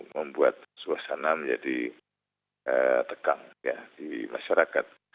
membuat suasana menjadi tekang ya di masyarakat